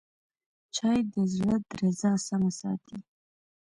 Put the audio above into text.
چای د زړه درزا سمه ساتي